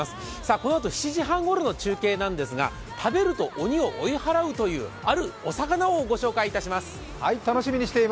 このあと７時半ごろの中継なんですが食べると鬼を追い払うという、あるお魚をご紹介します。